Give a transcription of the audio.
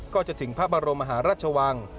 ก็จะถึงพระบรมมหาราชวัง